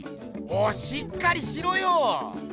もうしっかりしろよ！